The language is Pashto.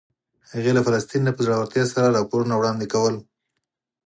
هغې له فلسطین نه په زړورتیا سره راپورونه وړاندې کول.